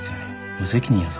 無責任やぞ。